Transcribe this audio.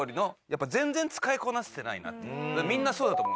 みんなそうだと思う。